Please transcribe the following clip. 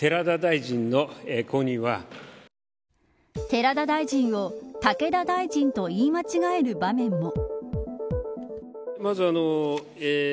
寺田大臣をタケダ大臣と言い間違える場面も。